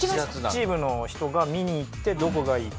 チームの人が見に行ってどこがいいか。